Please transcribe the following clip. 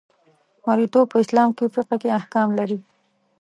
مرییتوب په اسلامي فقه کې احکام لري.